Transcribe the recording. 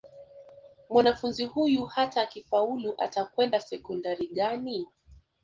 mwanafunzi huyu hata akifaulu atakwenda sekondari gani